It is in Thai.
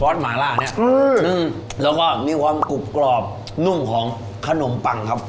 สหมาล่าเนี้ยอืมนึ่งแล้วก็มีความกรุบกรอบนุ่มของขนมปังครับ